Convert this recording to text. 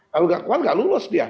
kalau gak kuat gak lulus dia